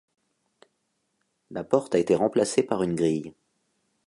La porte a été remplacée par une grille.